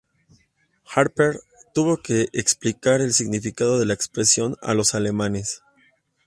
Harper tuvo que explicar el significado de la expresión a los alemanes.